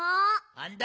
あんだ？